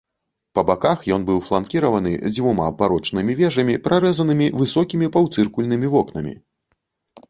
Па баках ён быў фланкіраваны дзвюма барочнымі вежамі, прарэзанымі высокімі паўцыркульнымі вокнамі.